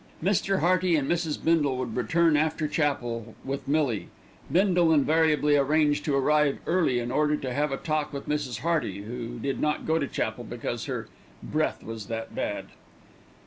Mr. Hearty and Mrs. Bindle would return after chapel with Millie; Bindle invariably arranged to arrive early in order to have a talk with Mrs. Hearty, who did not go to chapel because her "breath was that bad."